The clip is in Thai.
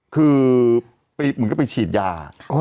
คือมึงก็ไปฉีดยา